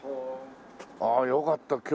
ああよかった。